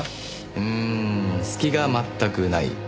うん隙が全くない。